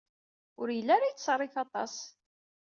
Ur yelli ara yettṣerrif aṭas.